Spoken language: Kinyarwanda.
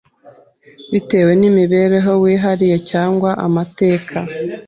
bitewe n’imibereho wihariye cyangwa amateka